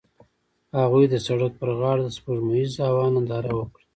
هغوی د سړک پر غاړه د سپوږمیز هوا ننداره وکړه.